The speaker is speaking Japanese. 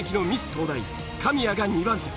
東大神谷が２番手。